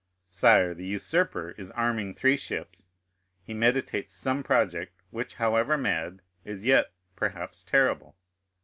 Sire, the usurper is arming three ships, he meditates some project, which, however mad, is yet, perhaps, terrible.